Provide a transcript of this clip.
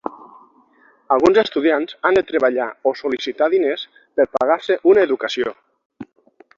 Alguns estudiants han de treballar o sol·licitar diners per pagar-se una educació.